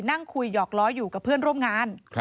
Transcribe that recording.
นั่งคุยหยอกล้ออยู่กับเพื่อนร่วมงาน